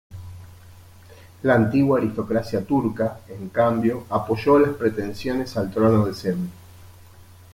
La antigua aristocracia turca, en cambio, apoyó las pretensiones al trono de Cem.